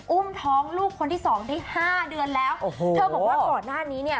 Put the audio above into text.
อุ้มท้องลูกคนที่สองได้ห้าเดือนแล้วโอ้โหเธอบอกว่าก่อนหน้านี้เนี่ย